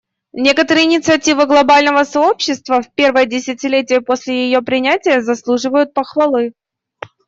Некоторые инициативы глобального сообщества в первое десятилетие после ее принятия заслуживают похвалы.